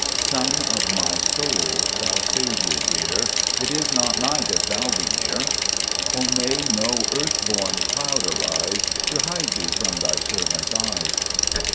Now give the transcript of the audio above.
SUN of my soul, Thou Saviour dear, It is not night if Thou be near ; O may no earth born cloud arise To hide Thee from Thy servant's eyes.